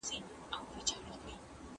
لپاره.